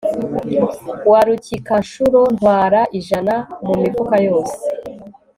wa Rukikanshuro ntwara ijana mumifuka yose